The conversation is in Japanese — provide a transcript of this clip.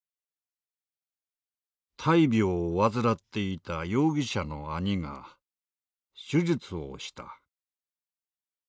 大病を患っていた容疑者の兄が手術をした。